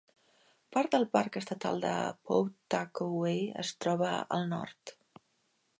Part del parc estatal de Pawtuckaway es troba al nord.